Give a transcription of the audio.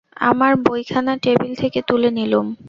আমার বইখানা টেবিল থেকে তুলে নিলুম।